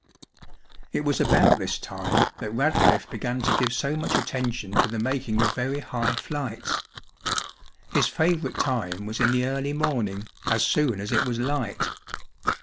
It was about this time that Radcliffe began to give so much attention to the making of very high flights. His favourite time was in the early morning, as soon as it was light.